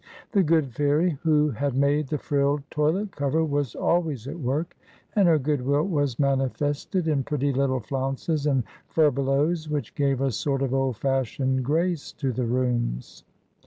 The good fairy who had made the frilled toilet cover was always at work, and her goodwill was manifested in pretty little flounces and furbelows, which gave a sort of old fashioned grace to the rooms.